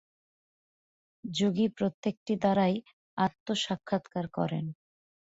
যোগী প্রত্যেকটি দ্বারাই আত্মসাক্ষাৎকার করেন।